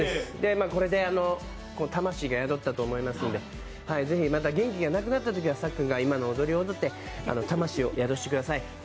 これで魂が宿ったと思いますんで、元気がなくなったときはさっくんが今の踊りを踊って魂を宿してください。